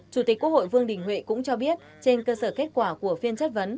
chủ tịch quốc hội vương đình huệ cũng cho biết trên cơ sở kết quả của phiên chất vấn